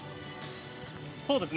そうですね。